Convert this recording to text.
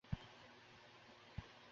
তিনি শাহাদাত বরণ করেন।